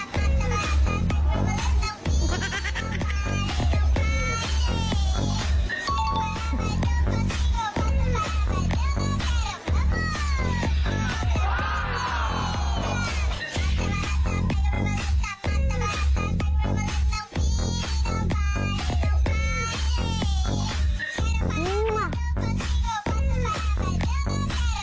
เหมือนนกเพ็นกวินเหมือนกันนะ